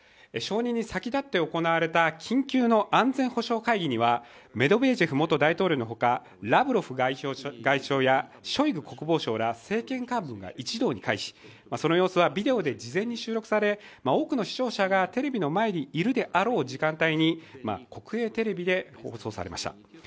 承認に先立って行われた緊急の安全保障会議にはメドベージェフ元大統領のほかラブロフ外相やショイグ国防相ら政権幹部が一堂に会し、その様子はビデオで事前に収録され多くの視聴者がテレビの前にいるであろう時間帯に国営テレビで放送されました。